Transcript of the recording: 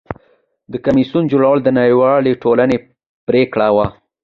د کمیسیون جوړول د نړیوالې ټولنې پریکړه وه.